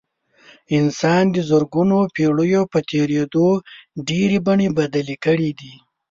انسان د زرګونو پېړیو په تېرېدو ډېرې بڼې بدلې کړې دي.